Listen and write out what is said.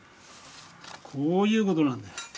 こういうことなんだよ。